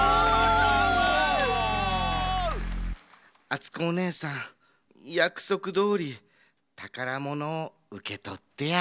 あつこおねえさんやくそくどおりたからものをうけとってや。